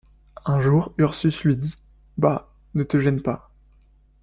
Un jour Ursus lui dit: — Bah! ne te gêne pas.